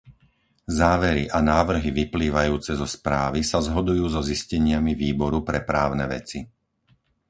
Závery a návrhy vyplývajúce zo správy sa zhodujú so zisteniami Výboru pre právne veci.